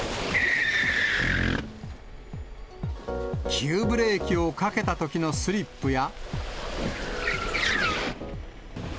急ブレーキをかけたときのスリップや。